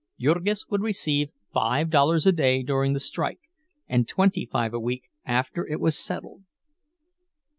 Jurgis would receive five dollars a day during the strike, and twenty five a week after it was settled.